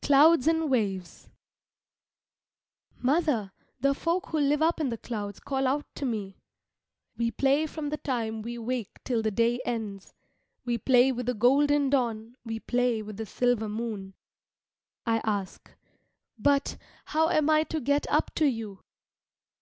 CLOUDS AND WAVES Mother, the folk who live up in the clouds call out to me "We play from the time we wake till the day ends. We play with the golden dawn, we play with the silver moon. I ask, "But, how am I to get up to you?"